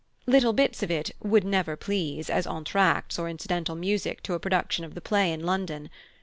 Little bits of it "would never please" as entr'actes or incidental music to a production of the play in London.